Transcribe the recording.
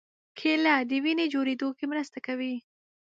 کېله د وینې جوړېدو کې مرسته کوي.